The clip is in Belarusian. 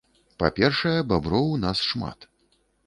Па-першае, баброў у нас шмат.